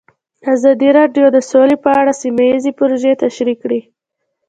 ازادي راډیو د سوله په اړه سیمه ییزې پروژې تشریح کړې.